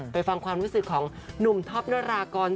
ฟังความรู้สึกของหนุ่มท็อปนรากร